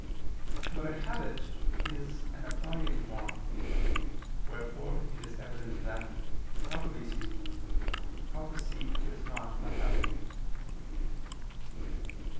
But a habit is an abiding form. Wherefore it is evident that, properly speaking, prophecy is not a habit.